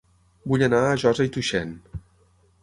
Vull anar a Josa i Tuixén